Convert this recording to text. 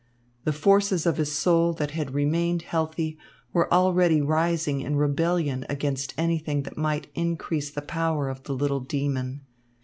The forces of his soul that had remained healthy were already rising in rebellion against anything that might increase the power of the little demon.